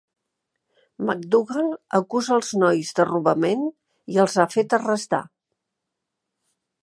McDougal acusa els nois de robament i els ha fet arrestar.